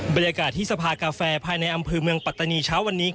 บรรยากาศที่สภากาแฟภายในอำเภอเมืองปัตตานีเช้าวันนี้